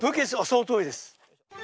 そのとおりです。